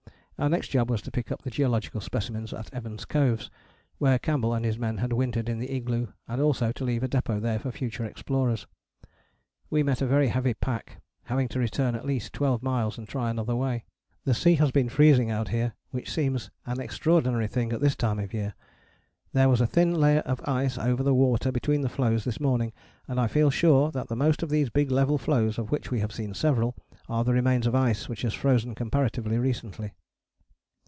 Our next job was to pick up the geological specimens at Evans Coves, where Campbell and his men had wintered in the igloo, and also to leave a depôt there for future explorers. We met very heavy pack, having to return at least twelve miles and try another way. "The sea has been freezing out here, which seems an extraordinary thing at this time of year. There was a thin layer of ice over the water between the floes this morning, and I feel sure that most of these big level floes, of which we have seen several, are the remains of ice which has frozen comparatively recently."